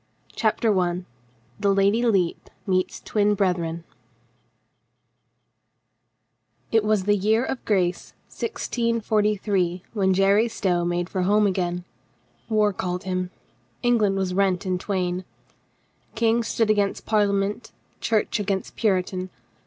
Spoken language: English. CHAPTER ONE THE LADY LEPE MEETS TWIN BRETHREN IT was the year of grace 1643 when Jerry Stow made for home again. War called him. Eng land was rent in twain. King stood against Parlia ment, Church against Puritan.